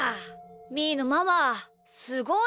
みーのママすごいな。